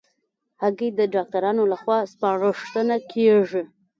هګۍ د ډاکټرانو له خوا سپارښتنه کېږي.